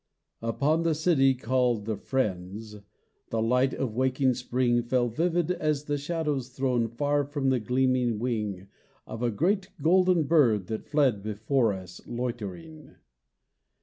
Upon the city called the Friends' The light of waking spring Fell vivid as the shadow thrown Far from the gleaming wing Of a great golden bird, that fled Before us loitering.